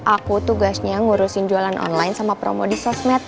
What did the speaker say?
aku tugasnya ngurusin jualan online sama promo di sosmed